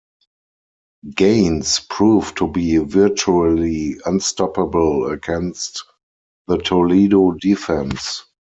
Gaines proved to be virtually unstoppable against the Toledo defense.